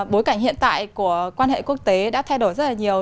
bối cảnh hiện tại của quan hệ quốc tế đã thay đổi rất là nhiều